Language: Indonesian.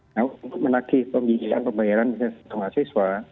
nah untuk menakibat pembiayaan mahasiswa